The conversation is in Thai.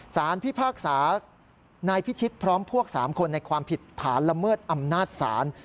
สารพิพากษานายพิชิตพร้อมพวก๓คนในความผิดฐานละเมิดอำนาจศาล